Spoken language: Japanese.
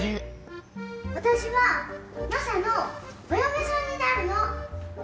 私はマサのお嫁さんになるの！